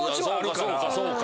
そうかそうか。